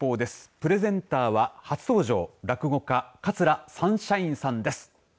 プレゼンターは初登場、落語家桂三輝さんです。